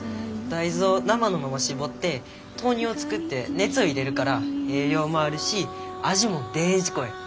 大豆を生のまま搾って豆乳を作って熱を入れるから栄養もあるし味もデージ濃い。